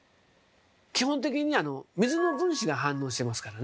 基本的には水の分子が反応してますからね。